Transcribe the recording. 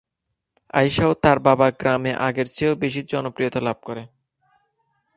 আয়শা ও তার বাবা গ্রামে আগের চেয়েও বেশি জনপ্রিয়তা লাভ করে।